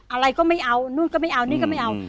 อะไรก็ไม่เอานู่นก็ไม่เอานี่ก็ไม่เอา